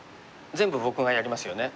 全部僕がやりますよね？